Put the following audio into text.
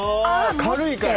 軽いから。